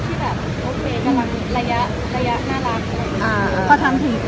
พลายความป่อยเซออะไรอีก